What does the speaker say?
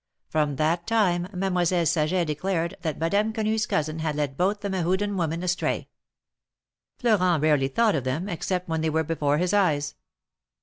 From that' time Mademoiselle Saget I declared that Madame Quenu's cousin had led both the ■ Mehuden women astray. Florent rarely thought of them, except when they were before his eyes.